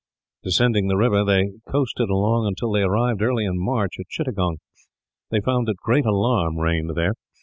Descending the river they coasted along until they arrived, early in March, at Chittagong. They found that great alarm reigned there.